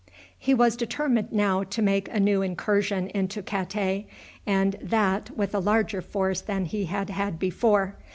He was determined now to make a new incursion into Katay, and that with a larger force than he had had before.